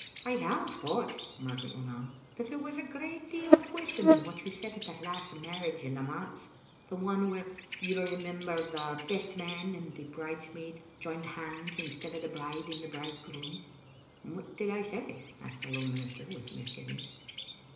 "I have thought," Margaret went on, "that there was a great deal of wisdom in what you said at that last marriage in the manse, the one where, you remem ber, the best man and the bridesmaid joined hands in stead of the bride and bridegroom." "What did I say?" asked the little minister, with misgivings.